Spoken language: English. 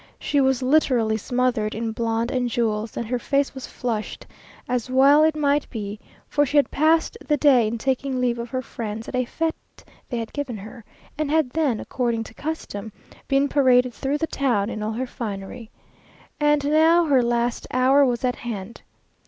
She was literally smothered in blonde and jewels; and her face was flushed as well it might be, for she had passed the day in taking leave of her friends at a fête they had given her, and had then, according to custom, been paraded through the town in all her finery. And now her last hour was at hand.